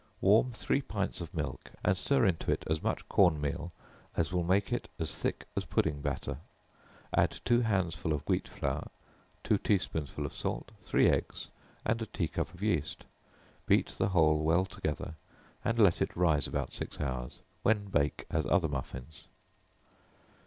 Warm three pints of milk, and stir into it as much corn meal as will make it as thick as pudding batter, add two handsful of wheat flour, two tea spoonsful of salt, three eggs, and a tea cup of yeast. Beat the whole well together, and let it rise about six hours, when bake as other muffins.